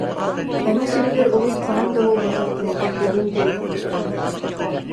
Эҥэ сиригэр урут хаһан да буолбатах улахан уруу буолбут